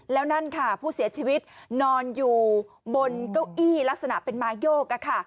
แล้วนั่นค่ะผู้เสียชีวิตนอนอยู่บนเก้าอี้ลักษณะเป็นไม้โยก